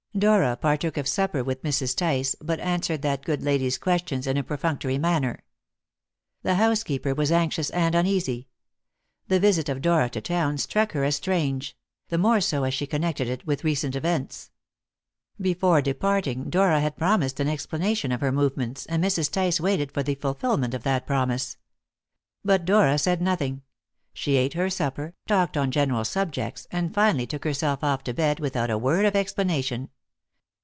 Dora partook of supper with Mrs. Tice, but answered that good lady's questions in a perfunctory manner. The housekeeper was anxious and uneasy. The visit of Dora to town struck her as strange the more so as she connected it with recent events. Before departing Dora had promised an explanation of her movements, and Mrs. Tice waited for the fulfilment of that promise. But Dora said nothing. She ate her supper, talked on general subjects, and finally took herself off to bed without a word of explanation.